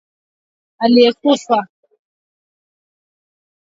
Kulisha wanyama wengine wenye afya viungo vya ndani vya kondoo au mbuzi aliyekufa